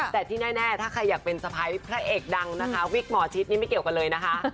แต่ที่แน่ถ้าใครอยากเป็นสะพ้ายพระเอกดังนะคะวิกหมอชิดนี่ไม่เกี่ยวกันเลยนะคะ